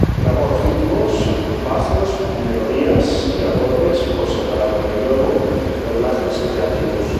Grabó ritmos, bajos, melodías y acordes por separado y luego doblajes creativos.